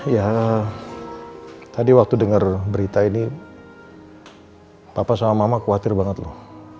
ya tadi waktu dengar berita ini papa sama mama khawatir banget loh